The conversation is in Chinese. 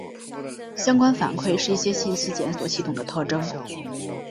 相关反馈是一些信息检索系统的特征。